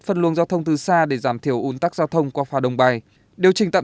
phân luồng giao thông từ xa để giảm thiểu ủn tắc giao thông qua phà đồng bài điều trình tạm